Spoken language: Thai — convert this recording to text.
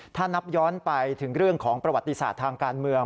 ถ้านับย้อนไปถึงเรื่องของประวัติศาสตร์ทางการเมือง